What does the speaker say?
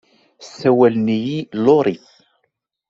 Ssawalen-iyi Laurie.